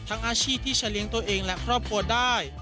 อาชีพที่จะเลี้ยงตัวเองและครอบครัวได้